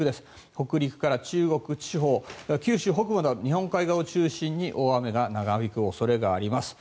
北陸から中国地方、九州北部日本海側を中心に大雨が長引く恐れがあります。